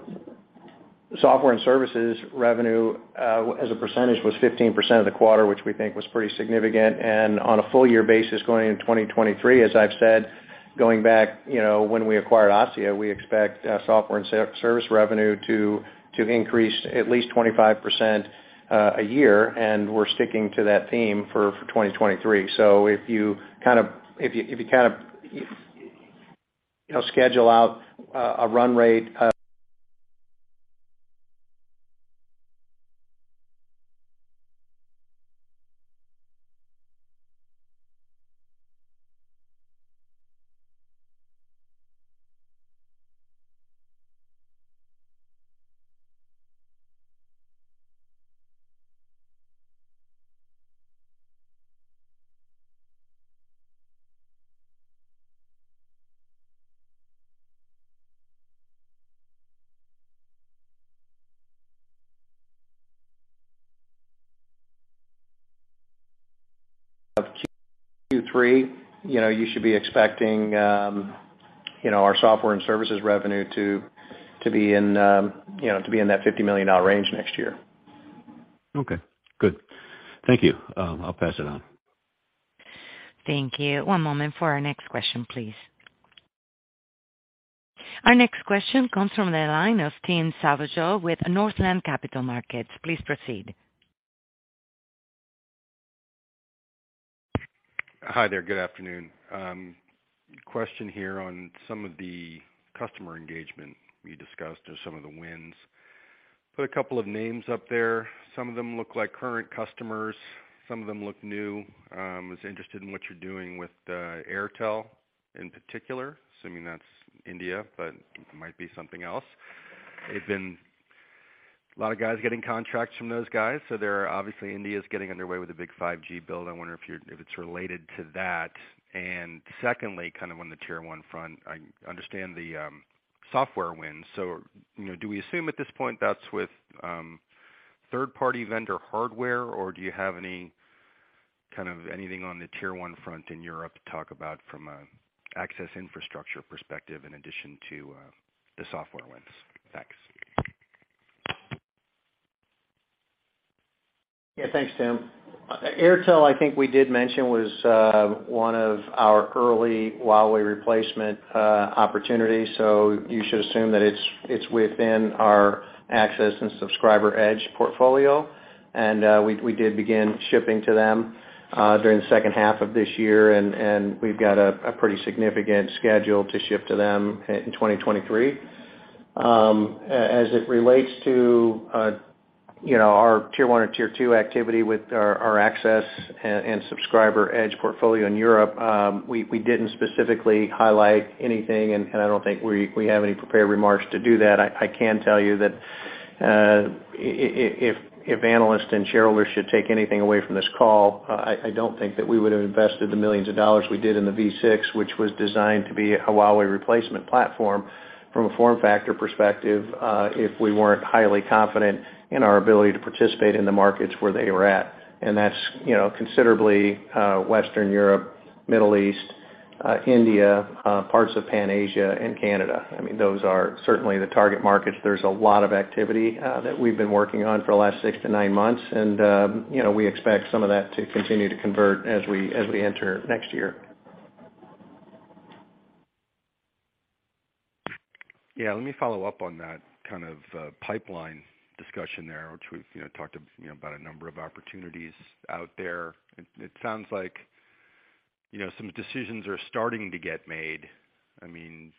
software and services revenue as a percentage was 15% of the quarter, which we think was pretty significant. On a full year basis going into 2023, as I've said, going back, you know, when we acquired ASSIA, we expect software and services revenue to increase at least 25% a year, and we're sticking to that theme for 2023. If you kind of you know schedule out a run rate of Q3, you know, you should be expecting our software and services revenue to be in that $50 million range next year. Okay, good. Thank you. I'll pass it on. Thank you. One moment for our next question, please. Our next question comes from the line of Tim Savageaux with Northland Capital Markets. Please proceed. Hi there. Good afternoon. Question here on some of the customer engagement you discussed or some of the wins. Put a couple of names up there. Some of them look like current customers, some of them look new. Was interested in what you're doing with Airtel in particular. Assuming that's India, but might be something else. There've been a lot of guys getting contracts from those guys, so they're obviously India's getting underway with a big 5G build. I wonder if it's related to that. Secondly, kind of on the tier one front, I understand the software wins. You know, do we assume at this point that's with third party vendor hardware, or do you have any kind of anything on the tier one front in Europe to talk about from an access infrastructure perspective in addition to the software wins? Thanks. Yeah. Thanks, Tim. Airtel, I think we did mention, was one of our early Huawei replacement opportunities. So you should assume that it's within our access and subscriber edge portfolio. We did begin shipping to them during the second half of this year, and we've got a pretty significant schedule to ship to them in 2023. As it relates to you know, our tier one or tier two activity with our access and subscriber edge portfolio in Europe, we didn't specifically highlight anything, and I don't think we have any prepared remarks to do that. I can tell you that if analysts and shareholders should take anything away from this call, I don't think that we would have invested the $ millions we did in the V6, which was designed to be a Huawei replacement platform from a form factor perspective, if we weren't highly confident in our ability to participate in the markets where they were at. That's you know considerably Western Europe, Middle East, India, parts of Pan Asia and Canada. I mean, those are certainly the target markets. There's a lot of activity that we've been working on for the last six to nine months. You know, we expect some of that to continue to convert as we enter next year. Yeah. Let me follow up on that kind of pipeline discussion there, which we've, you know, talked, you know, about a number of opportunities out there. It sounds like, you know, some decisions are starting to get made. I mean,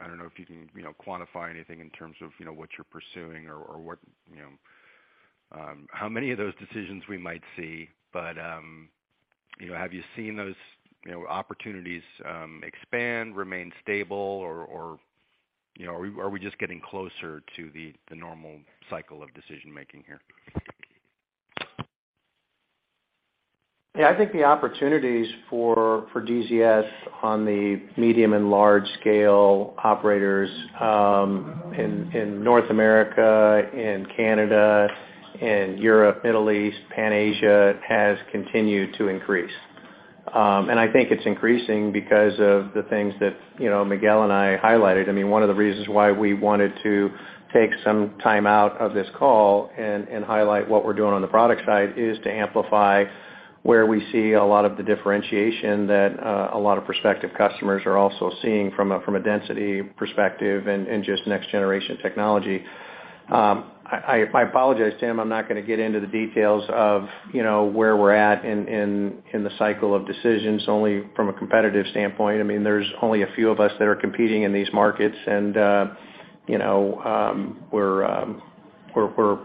I don't know if you can, you know, quantify anything in terms of, you know, what you're pursuing or what, you know, how many of those decisions we might see. You know, have you seen those, you know, opportunities expand, remain stable, or, you know, are we just getting closer to the normal cycle of decision making here? Yeah. I think the opportunities for DZS on the medium and large scale operators in North America and Canada and Europe, Middle East, Pan Asia, has continued to increase. I think it's increasing because of the things that, you know, Miguel and I highlighted. I mean, one of the reasons why we wanted to take some time out of this call and highlight what we're doing on the product side is to amplify where we see a lot of the differentiation that a lot of prospective customers are also seeing from a density perspective and just next generation technology. I apologize, Tim. I'm not gonna get into the details of, you know, where we're at in the cycle of decisions only from a competitive standpoint. I mean, there's only a few of us that are competing in these markets. You know, we're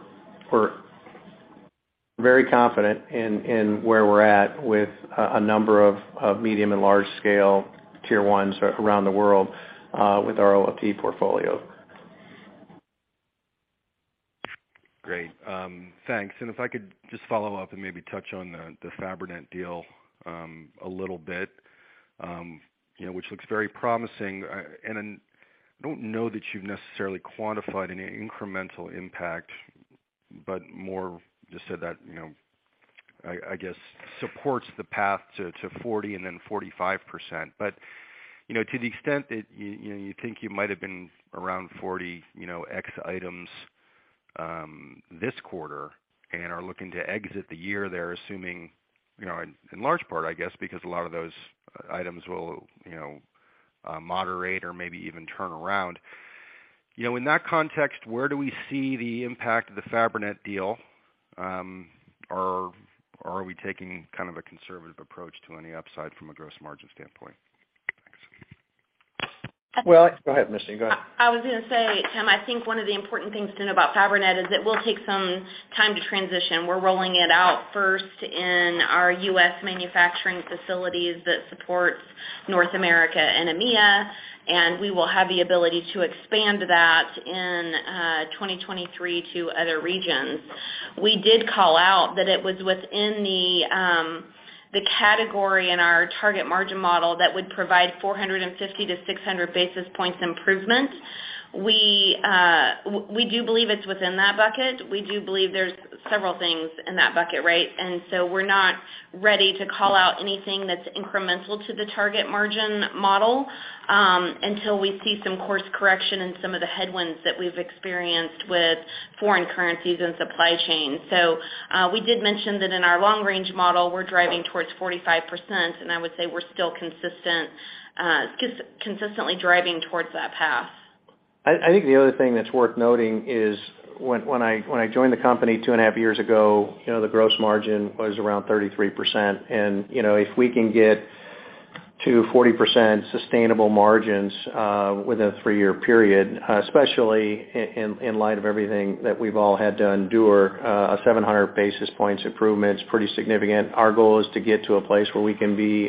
very confident in where we're at with a number of medium and large scale tier ones around the world, with our OFP portfolio. Great. Thanks. If I could just follow up and maybe touch on the Fabrinet deal a little bit, you know, which looks very promising. I don't know that you've necessarily quantified any incremental impact, but more just so that, you know, I guess, supports the path to 40 and then 45%. You know, to the extent that you know, you think you might have been around 40, you know, ex items this quarter and are looking to exit the year there, assuming, you know, in large part, I guess, because a lot of those items will, you know, moderate or maybe even turn around. You know, in that context, where do we see the impact of the Fabrinet deal? Are we taking kind of a conservative approach to any upside from a gross margin standpoint? Well, go ahead, Misty. Go ahead. I was gonna say, Tim, I think one of the important things to know about Fabrinet is it will take some time to transition. We're rolling it out first in our U.S. manufacturing facilities that supports North America and EMEA, and we will have the ability to expand that in 2023 to other regions. We did call out that it was within the category in our target margin model that would provide 450-600 basis points improvement. We do believe it's within that bucket. We do believe there's several things in that bucket, right? We're not ready to call out anything that's incremental to the target margin model until we see some course correction in some of the headwinds that we've experienced with foreign currencies and supply chain. We did mention that in our long range model, we're driving towards 45%, and I would say we're still consistently driving towards that path. I think the other thing that's worth noting is when I joined the company two and a half years ago, you know, the gross margin was around 33%. You know, if we can get to 40% sustainable margins within a three-year period, especially in light of everything that we've all had to endure, a 700 basis points improvement's pretty significant. Our goal is to get to a place where we can be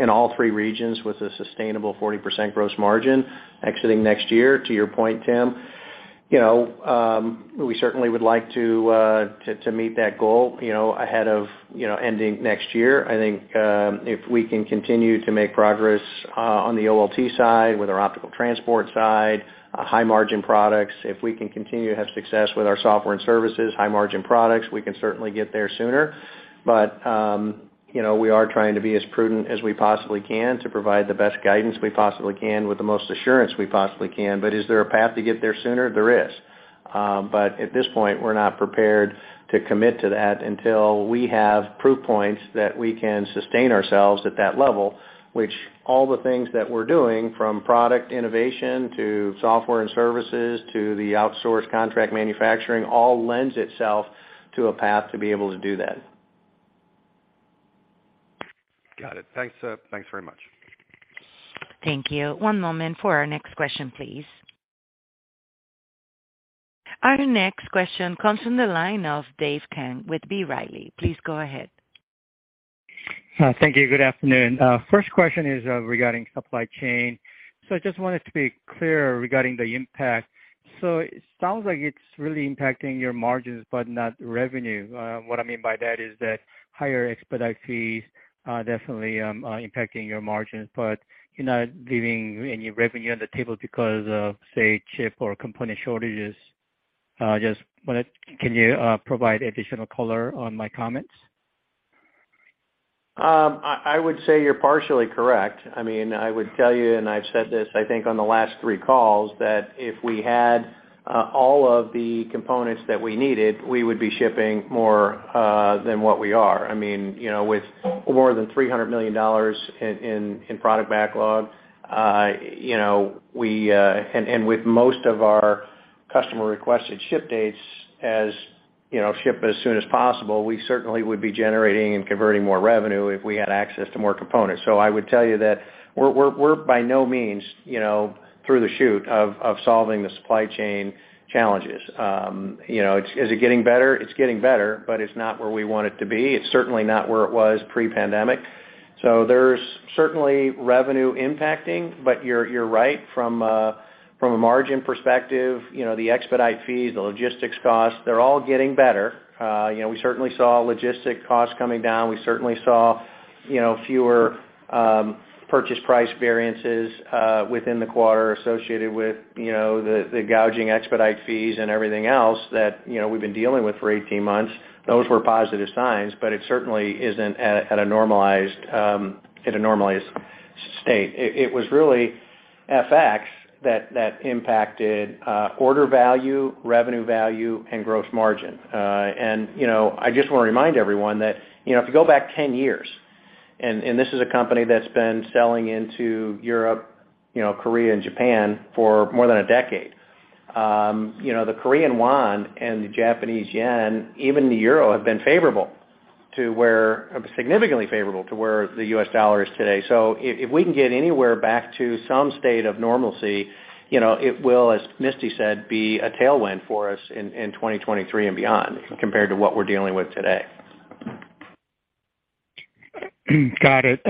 in all three regions with a sustainable 40% gross margin exiting next year, to your point, Tim. You know, we certainly would like to meet that goal, you know, ahead of ending next year. I think, if we can continue to make progress, on the OLT side with our optical transport side, high margin products, if we can continue to have success with our software and services, high margin products, we can certainly get there sooner. You know, we are trying to be as prudent as we possibly can to provide the best guidance we possibly can with the most assurance we possibly can. Is there a path to get there sooner? There is. At this point, we're not prepared to commit to that until we have proof points that we can sustain ourselves at that level, which all the things that we're doing from product innovation to software and services to the outsourced contract manufacturing all lends itself to a path to be able to do that. Got it. Thanks very much. Thank you. One moment for our next question, please. Our next question comes from the line of Dave Kang with B. Riley. Please go ahead. Thank you. Good afternoon. First question is regarding supply chain. I just wanted to be clear regarding the impact. It sounds like it's really impacting your margins but not revenue. What I mean by that is that higher expedite fees are definitely impacting your margins, but you're not leaving any revenue on the table because of, say, chip or component shortages. Just wanted. Can you provide additional color on my comments? I would say you're partially correct. I mean, I would tell you, and I've said this, I think, on the last three calls, that if we had all of the components that we needed, we would be shipping more than what we are. I mean, you know, with more than $300 million in product backlog, you know, and with most of our customer requested ship dates, as you know, ship as soon as possible, we certainly would be generating and converting more revenue if we had access to more components. So I would tell you that we're by no means, you know, through the chute of solving the supply chain challenges. You know, it's getting better? It's getting better, but it's not where we want it to be. It's certainly not where it was pre-pandemic. There's certainly revenue impacting, but you're right. From a margin perspective, you know, the expedite fees, the logistics costs, they're all getting better. We certainly saw logistics costs coming down. We certainly saw, you know, fewer purchase price variances within the quarter associated with, you know, the gouging expedite fees and everything else that, you know, we've been dealing with for 18 months. Those were positive signs, but it certainly isn't at a normalized state. It was really FX that impacted order value, revenue value, and gross margin. You know, I just wanna remind everyone that, you know, if you go back 10 years, and this is a company that's been selling into Europe, you know, Korea, and Japan for more than a decade. You know, the Korean won and the Japanese yen, even the euro, have been significantly favorable to where the US dollar is today. If we can get anywhere back to some state of normalcy, you know, it will, as Misty said, be a tailwind for us in 2023 and beyond compared to what we're dealing with today. Got it.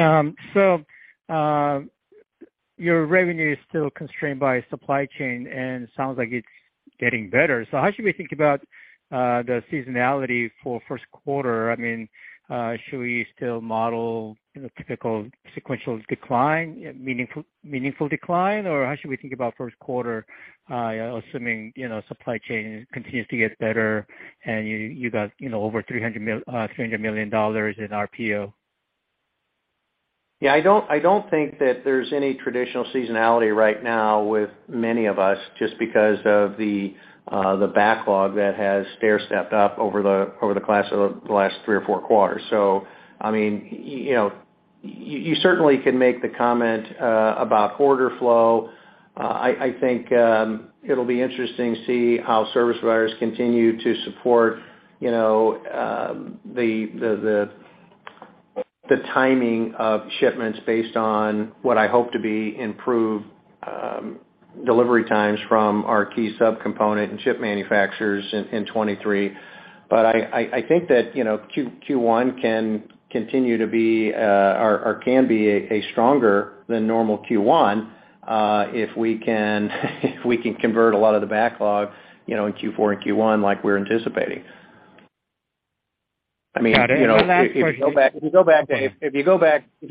Your revenue is still constrained by supply chain, and it sounds like it's getting better. How should we think about the seasonality for Q1? I mean, should we still model, you know, typical sequential decline, meaningful decline? Or how should we think about Q1, assuming, you know, supply chain continues to get better and you got, you know, over $300 million in RPO? Yeah, I don't think that there's any traditional seasonality right now with many of us just because of the backlog that has stairstepped up over the course of the last three or four quarters. I mean, you know, you certainly can make the comment about order flow. I think it'll be interesting to see how service providers continue to support the timing of shipments based on what I hope to be improved delivery times from our key subcomponent and chip manufacturers in 2023. I think that, you know, Q1 can continue to be, or can be a stronger than normal Q1, if we can convert a lot of the backlog, you know, in Q4 and Q1 like we're anticipating. Got it. My last question- I mean, you know, if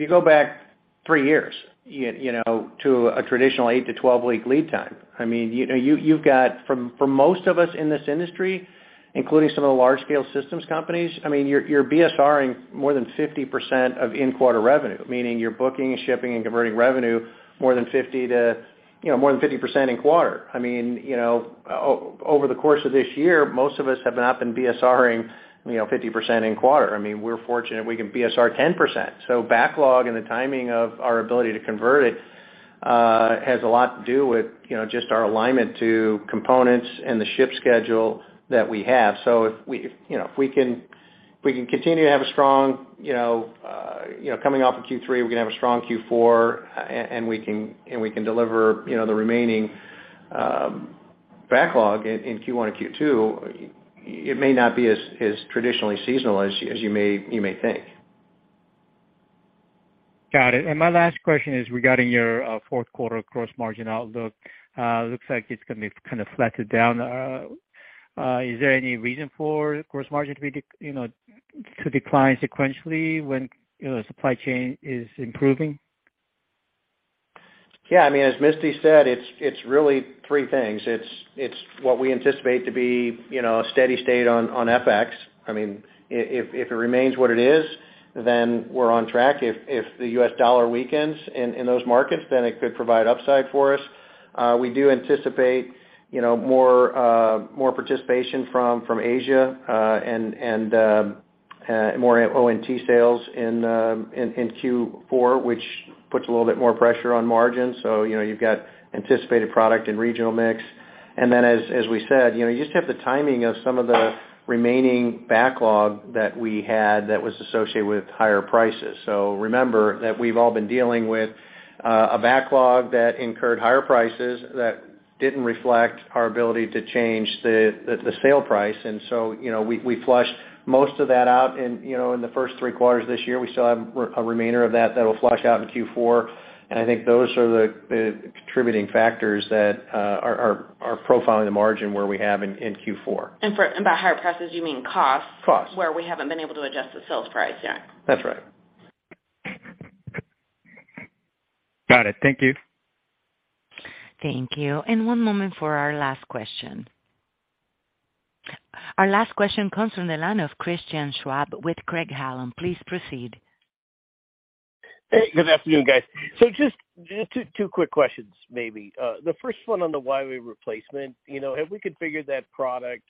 you go back three years, you know, to a traditional 8-12-week lead time, I mean, you know, you've got from most of us in this industry, including some of the large scale systems companies, I mean, you're BSR-ing more than 50% of in-quarter revenue, meaning you're booking, shipping, and converting revenue more than fifty to, you know, more than 50% in quarter. I mean, you know, over the course of this year, most of us have not been BSR-ing, you know, 50% in quarter. I mean, we're fortunate we can BSR 10%. Backlog and the timing of our ability to convert it has a lot to do with, you know, just our alignment to components and the ship schedule that we have. If we can continue to have a strong, you know, coming off of Q3, we can have a strong Q4, and we can deliver, you know, the remaining backlog in Q1 and Q2, it may not be as traditionally seasonal as you may think. Got it. My last question is regarding your Q4 gross margin outlook. Looks like it's gonna be kind of flattened down. Is there any reason for gross margin to, you know, decline sequentially when, you know, supply chain is improving? Yeah. I mean, as Misty said, it's really three things. It's what we anticipate to be, you know, a steady-state on FX. I mean, if it remains what it is, then we're on track. If the US dollar weakens in those markets, then it could provide upside for us. We do anticipate, you know, more participation from Asia and more ONT sales in Q4, which puts a little bit more pressure on margin. You know, you've got anticipated product and regional mix. Then as we said, you know, you just have the timing of some of the remaining backlog that we had that was associated with higher prices. Remember that we've all been dealing with a backlog that incurred higher prices that didn't reflect our ability to change the sale price. We flushed most of that out in the first three quarters this year. We still have a remainder of that that will flush out in Q4. I think those are the contributing factors that are profiling the margin where we have in Q4. By higher prices, you mean costs? Costs. Where we haven't been able to adjust the sales price yet. That's right. Got it. Thank you. Thank you. One moment for our last question. Our last question comes from the line of Christian Schwab with Craig-Hallum. Please proceed. Hey, good afternoon, guys. Just two quick questions maybe. The first one on the Huawei replacement. You know, have we configured that product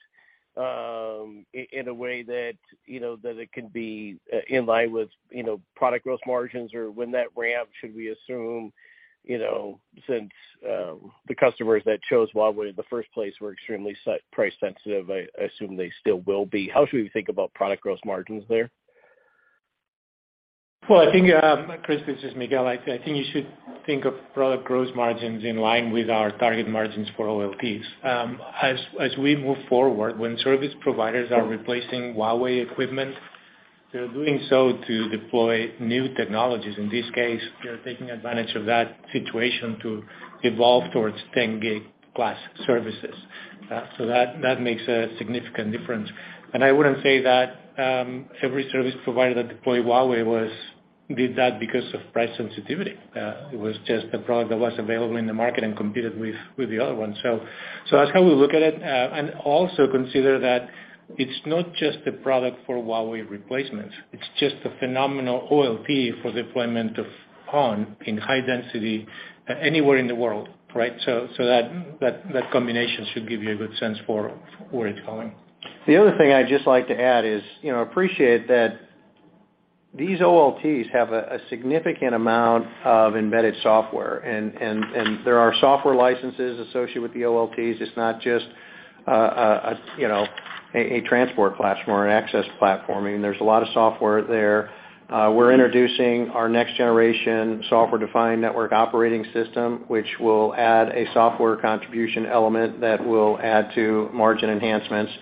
in a way that you know that it can be in line with you know product gross margins? Or when that ramp, should we assume, you know, since the customers that chose Huawei in the first place were extremely price sensitive, I assume they still will be. How should we think about product gross margins there? Well, I think, Chris, this is Miguel. I think you should think of product gross margins in line with our target margins for OLTs. As we move forward, when service providers are replacing Huawei equipment, they're doing so to deploy new technologies. In this case, they're taking advantage of that situation to evolve towards 10 gig class services. That makes a significant difference. I wouldn't say that every service provider that deployed Huawei did that because of price sensitivity. It was just the product that was available in the market and competed with the other ones. That's how we look at it. Also consider that it's not just a product for Huawei replacement, it's just a phenomenal OLT for deployment of PON in high density anywhere in the world, right? That combination should give you a good sense for where it's going. The other thing I'd just like to add is, you know, appreciate that these OLTs have a significant amount of embedded software and there are software licenses associated with the OLTs. It's not just, you know, a transport platform or an access platform. I mean, there's a lot of software there. We're introducing our next generation software-defined network operating system, which will add a software contribution element that will add to margin enhancements.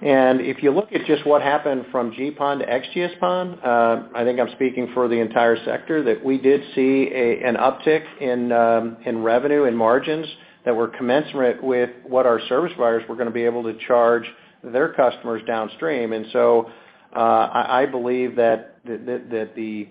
If you look at just what happened from GPON to XGS-PON, I think I'm speaking for the entire sector that we did see an uptick in revenue and margins that were commensurate with what our service providers were gonna be able to charge their customers downstream. I believe that the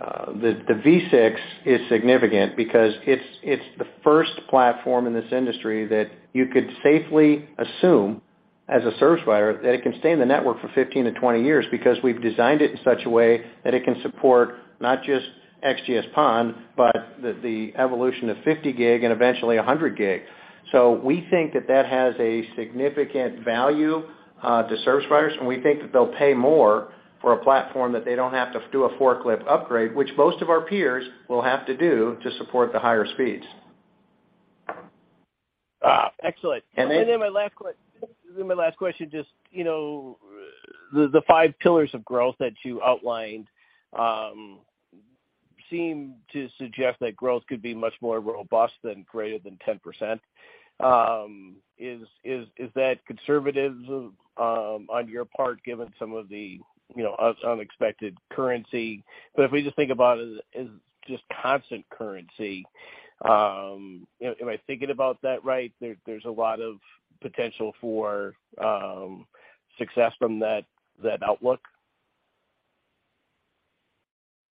V6 is significant because it's the first platform in this industry that you could safely assume as a service provider that it can stay in the network for 15-20 years because we've designed it in such a way that it can support not just XGS-PON, but the evolution of 50 gig and eventually 100 gig. We think that that has a significant value to service providers, and we think that they'll pay more for a platform that they don't have to do a forklift upgrade, which most of our peers will have to do to support the higher speeds. Excellent. And then- My last question, just, you know, the five pillars of growth that you outlined seem to suggest that growth could be much more robust than greater than 10%. Is that conservative on your part, given some of the, you know, unexpected currency? If we just think about it as just constant currency, am I thinking about that right? There's a lot of potential for success from that outlook.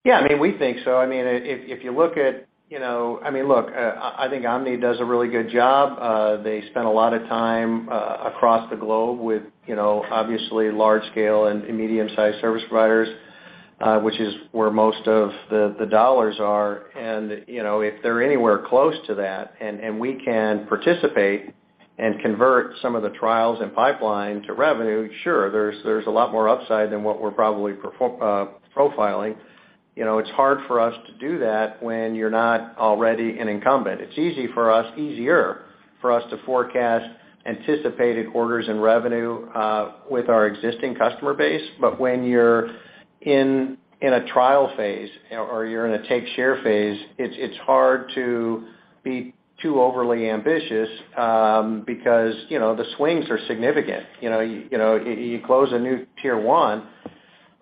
Yeah. I mean, we think so. I mean, if you look at, you know, I mean, look, I think Omdia does a really good job. They spend a lot of time across the globe with, you know, obviously large scale and medium-sized service providers, which is where most of the dollars are. You know, if they're anywhere close to that, and we can participate and convert some of the trials and pipeline to revenue, sure, there's a lot more upside than what we're probably profiling. You know, it's hard for us to do that when you're not already an incumbent. It's easy for us, easier for us to forecast anticipated orders and revenue with our existing customer base. When you're in a trial phase or you're in a take share phase, it's hard to be too overly ambitious, because, you know, the swings are significant. You know, you close a new tier one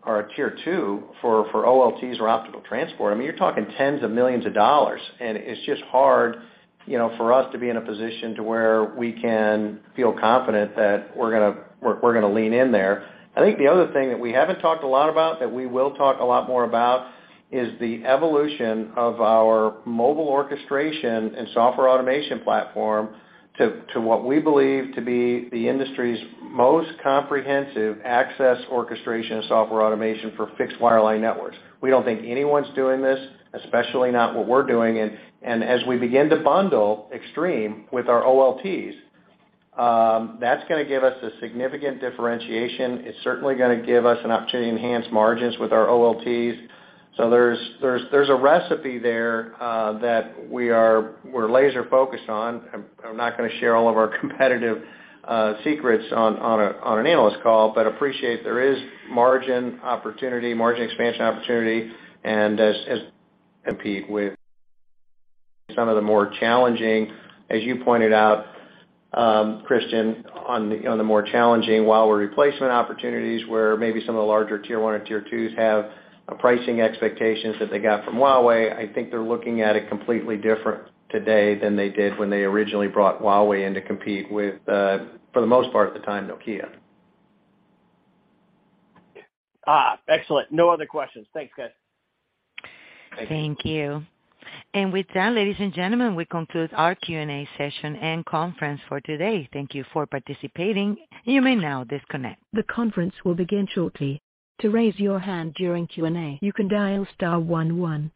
or a tier two for OLTs or optical transport, I mean, you're talking $10s of millions, and it's just hard, you know, for us to be in a position where we can feel confident that we're gonna lean in there. I think the other thing that we haven't talked a lot about, that we will talk a lot more about is the evolution of our mobile orchestration and software automation platform to what we believe to be the industry's most comprehensive access orchestration and software automation for fixed wireline networks. We don't think anyone's doing this, especially not what we're doing. As we begin to bundle Xtreme with our OLTs, that's gonna give us a significant differentiation. It's certainly gonna give us an opportunity to enhance margins with our OLTs. There's a recipe there that we're laser focused on. I'm not gonna share all of our competitive secrets on an analyst call, but appreciate there is margin opportunity, margin expansion opportunity. As we compete with some of the more challenging, as you pointed out, Christian, on the more challenging Huawei replacement opportunities, where maybe some of the larger tier one or tier twos have a pricing expectations that they got from Huawei. I think they're looking at it completely different today than they did when they originally brought Huawei in to compete with, for the most part, at the time, Nokia. Excellent. No other questions. Thanks, guys. Thank you. Thank you. With that, ladies and gentlemen, we conclude our Q&A session and conference for today. Thank you for participating. You may now disconnect. The conference will begin shortly. To raise your hand during Q&A, you can dial star one one.